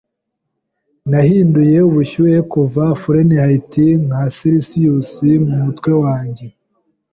Nahinduye ubushyuhe kuva Fahrenheit nka selisiyusi mumutwe wanjye.